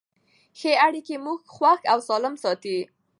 ښه اړیکې موږ خوښ او سالم ساتي.